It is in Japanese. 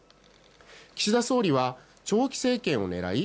岸田総理は長期政権を狙い